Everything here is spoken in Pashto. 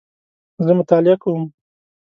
زه مطالعه کوم